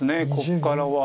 ここからは。